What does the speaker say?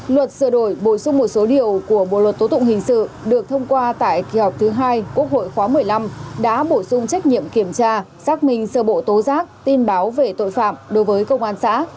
luật sửa đổi bổ sung một số điều của bộ luật tố tụng hình sự được thông qua tại kỳ họp thứ hai quốc hội khóa một mươi năm đã bổ sung trách nhiệm kiểm tra xác minh sơ bộ tố giác tin báo về tội phạm đối với công an xã